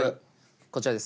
こちらです。